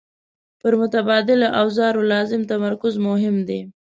پر متبادلو اوزارو لازم تمرکز مهم دی.